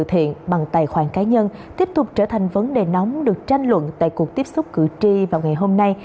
thiện bằng tài khoản cá nhân tiếp tục trở thành vấn đề nóng được tranh luận tại cuộc tiếp xúc cử tri vào ngày hôm nay